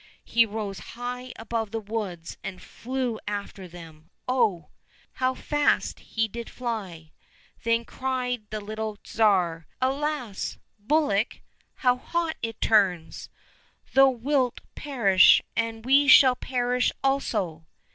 He rose high above the woods and flew after them — oh ! how fast he did fly ! Then cried the little Tsar, " Alas ! bullock, how hot it turns. Thou wilt perish, and we shall perish also